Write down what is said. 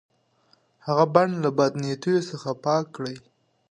هغه بڼ له بد نیتو څخه پاک کړي.